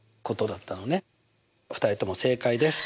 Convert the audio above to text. ２人とも正解です。